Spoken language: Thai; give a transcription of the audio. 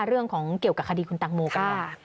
เรื่องของเกี่ยวกับคดีคุณตังโมกัน